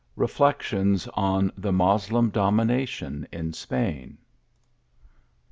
REFLECTIONS ON THE MOSLEM DOMINA^ TION IN SPAIN.